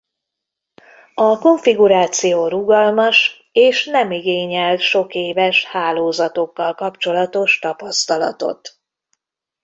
A konfiguráció rugalmas és nem igényel sok éves hálózatokkal kapcsolatos tapasztalatot.